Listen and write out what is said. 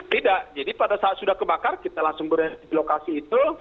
tidak jadi pada saat sudah kebakar kita langsung berlokasi itu